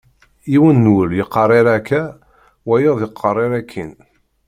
Yiwen n wul yeqqar err akka, wayeḍ yeqqar err akkin.